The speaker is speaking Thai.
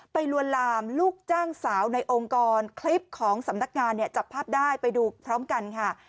ลวนลามลูกจ้างสาวในองค์กรคลิปของสำนักงานเนี่ยจับภาพได้ไปดูพร้อมกันค่ะ